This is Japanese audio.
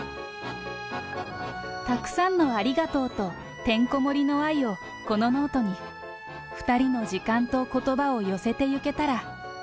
たくさんのありがとうとてんこ盛りの愛をこのノートに、２人の時間とことばを寄せてゆけたら。